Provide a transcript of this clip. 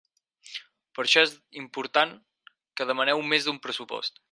Per això, és important que demaneu més d'un pressupost.